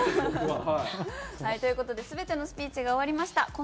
僕は。という事で全てのスピーチが終わりました。